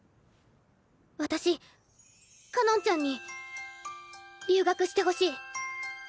私かのんちゃんに留学してほしい。